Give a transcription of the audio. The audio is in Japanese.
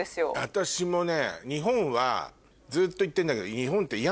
私もね日本はずっと言ってんだけど。